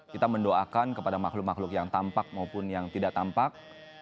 kita mendoakan kepada makhluk makhluk yang tampak maupun yang tidak tampak